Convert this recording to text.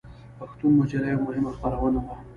پښتون مجله یوه مهمه خپرونه وه.